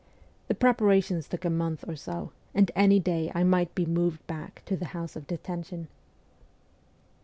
The preparations took a month or so, and any day I might be moved back to the House of Detention.